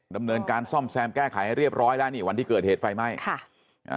ดำเนินการซ่อมแซมแก้ไขให้เรียบร้อยแล้วนี่วันที่เกิดเหตุไฟไหม้ค่ะอ่า